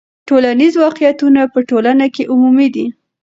ټولنیز واقعیتونه په ټولنه کې عمومي دي.